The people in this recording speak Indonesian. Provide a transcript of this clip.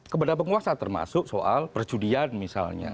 kepada penguasa termasuk soal perjudian misalnya